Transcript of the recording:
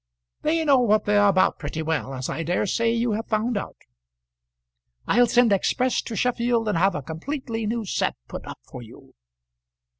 "They know what they are about pretty well, as I dare say you have found out. I'll send express to Sheffield and have a completely new set put up for you."